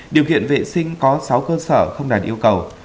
điều kiện vệ sinh có sáu cơ sở không đạt yêu cầu